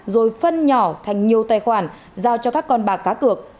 rồi phân nhỏ thành nhiều tài khoản giao cho các con bạc cá cược